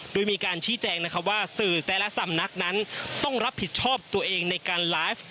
โดยมีการชี้แจงนะครับว่าสื่อแต่ละสำนักนั้นต้องรับผิดชอบตัวเองในการไลฟ์